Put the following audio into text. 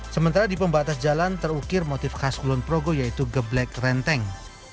sementara di pembatas jalan terukir motif khas kulon progo yaitu geblek renteng